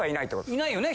いないよね。